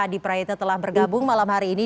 adi praetno telah bergabung malam hari ini